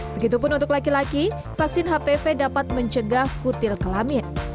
begitupun untuk laki laki vaksin hpv dapat mencegah kutil kelamin